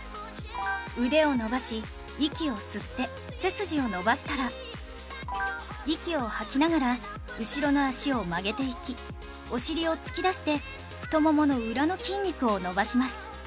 腕を伸ばし息を吸って背筋を伸ばしたら息を吐きながら後ろの脚を曲げていきお尻を突き出して太ももの裏の筋肉を伸ばします